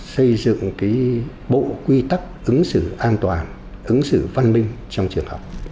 xây dựng bộ quy tắc ứng xử an toàn ứng xử văn minh trong trường học